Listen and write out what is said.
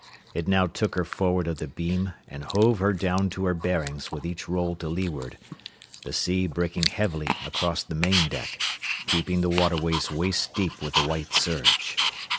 It now took her forward of the beam and hove her down to her bearings with each roll to leeward, the sea breaking heavily across the main deck, keeping the waterways waist deep with the white surge.